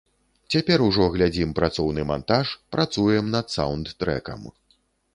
Цяпер ужо глядзім працоўны мантаж, працуем над саўнд-трэкам.